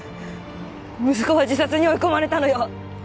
息子は自殺に追い込まれたのよ！